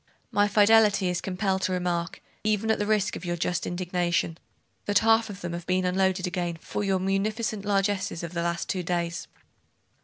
'My fidelity is compelled to remark, even at the risk of your just indignation, that half of them have been unloaded again for your munificent largesses of the last two days.